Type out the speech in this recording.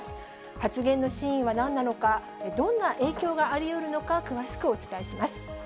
発言の真意はなんなのか、どんな影響がありうるのか、詳しくお伝えします。